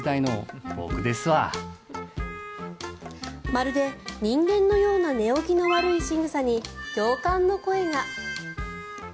まるで人間のような寝起きの悪いしぐさに共感の声が。